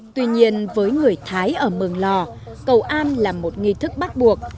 tuy nhiên với người thái ở mường lò cầu an là một nghi thức bắt buộc